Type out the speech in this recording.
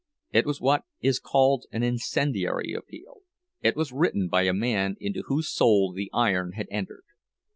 It was what is called an "incendiary" appeal—it was written by a man into whose soul the iron had entered.